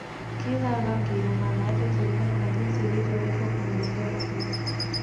Kila rangi ina maana yake kulingana na jinsi ilivyowekwa kwenye bendera hiyo